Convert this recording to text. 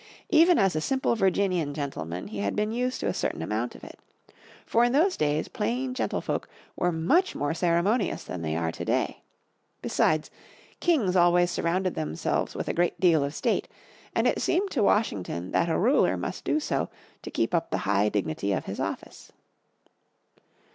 Even as a simple Virginian gentleman he had been used to a certain amount of it. For in those days plain gentleman folk were much more ceremonious than they are today. Besides, kings always surrounded themselves with a great deal of state, and it seemed to Washington that a ruler must do so to keep up the high dignity of his office.